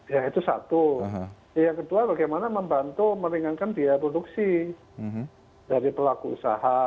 ya itu satu yang kedua bagaimana membantu meringankan biaya produksi dari pelaku usaha